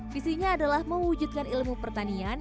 visinya adalah mewujudkan ilmu pertanian